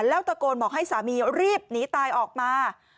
แล้วตะโกนบอกให้สามีรีบหนีตายออกมา